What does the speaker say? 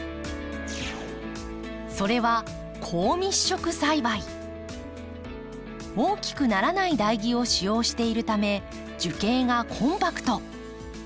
それは大きくならない台木を使用しているため樹形がコンパクト。